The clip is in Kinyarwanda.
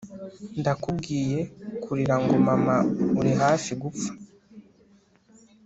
ndakubwiye kurira ngo mama uri hafi gupfa